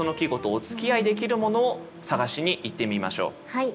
はい。